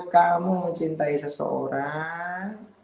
kamu mencintai seseorang